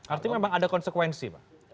artinya memang ada konsekuensi